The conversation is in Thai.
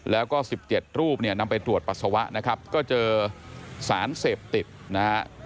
แล้วก็๑๗รูปเนี่ยนำไปตรวจปัสสาวะนะครับก็เจอสารเสพติดนะฮะ